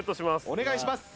お願いします。